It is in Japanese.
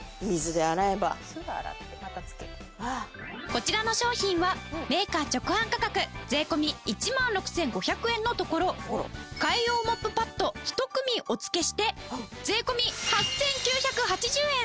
こちらの商品はメーカー直販価格税込１万６５００円のところ替え用モップパッド１組お付けして税込８９８０円。